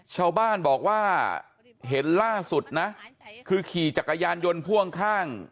ชาวบ้านบอกว่าเห็นล่าสุดนะคือขี่จักรยานยนต์พ่วงข้าง